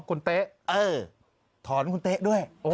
คุณเต๊ะเออถอนคุณเต๊ะด้วยโอ้โฮ